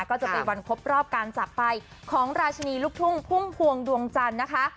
ก็จะเป็นวันครบรอบการจากไปของราชินีลูกทุ่งพุ่มพวงดวงจันทร์นะคะ